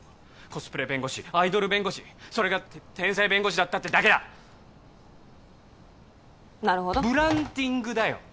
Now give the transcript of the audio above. コスプレ弁護士アイドル弁護士それが天才弁護士だったってだけだなるほどブランディングだよ